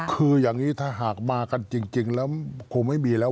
คืออย่างนี้ถ้าหากมากันจริงแล้วคงไม่มีแล้ว